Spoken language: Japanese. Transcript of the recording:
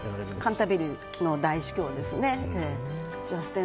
カンタベリー大主教ですね。